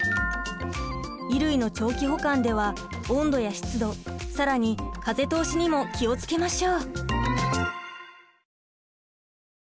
衣類の長期保管では温度や湿度更に風通しにも気を付けましょう。